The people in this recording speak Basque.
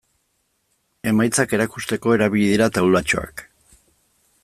Emaitzak erakusteko erabili dira taulatxoak.